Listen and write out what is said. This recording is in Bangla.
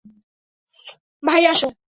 ভাই, আসো।